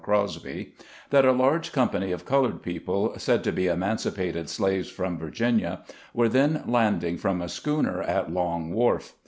Crosby — that a large company of colored people, said to be emancipated slaves from Virginia, were then landing from a schooner at Long Wharf.